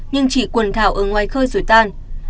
nhưng chỉ quần thảo ở ngoài khơi rồi tan